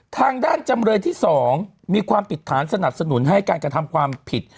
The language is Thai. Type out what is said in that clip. จำเลยที่๒มีความผิดฐานสนับสนุนให้การกระทำความผิด